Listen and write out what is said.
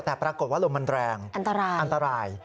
แต่ปรากฏว่าลมมันแรงอันตราย